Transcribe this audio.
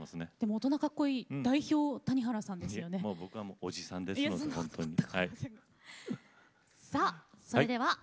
大人かっこいい代表谷原さんですね。